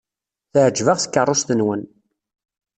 Teɛjeb-aɣ tkeṛṛust-nwen.